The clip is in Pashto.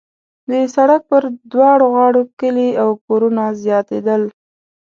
د سړک پر دواړو غاړو کلي او کورونه زیاتېدل.